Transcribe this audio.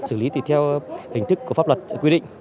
xử lý tùy theo hình thức của pháp luật quy định